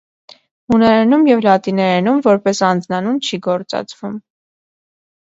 Հունարենում և լատիներենում որպես անձնանուն չի գործածվում։